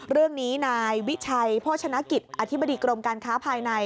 เรื่องนี้นายวิชัยโภชนกิจอธิบดีกรมการค้าภายใน